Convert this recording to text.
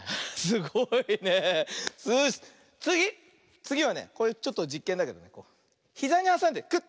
つぎはねちょっとじっけんだけどひざにはさんでクッ。